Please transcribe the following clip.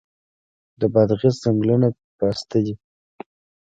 د بادغیس ځنګلونه پسته دي